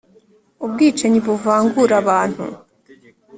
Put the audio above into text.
ubwicanyi buvangura abantu